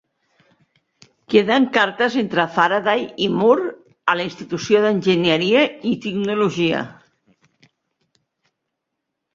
Queden cartes entre Faraday i Moore a la Institució d'Enginyeria i Tecnologia.